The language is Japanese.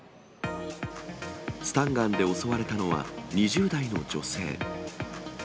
スタンガンで襲われたのは、２０代の女性。